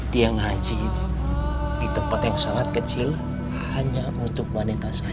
dia nghaji di tempat yang sangat kecil hanya untuk mbak neta saja